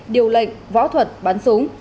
điều lệnh võ thuật bắn súng